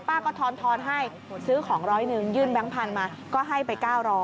ป้าก็ทอนให้ซื้อของ๑๐๐ยื่นแบงค์พันธุ์มาก็ให้ไป๙๐๐